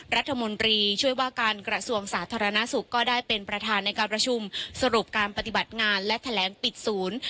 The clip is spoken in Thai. รัฐมนตรีช่วยว่าการกระทรวงสาธารณสุขก็ได้เป็นประธานในการประชุมสรุปการปฏิบัติงานและแถลงปิดศูนย์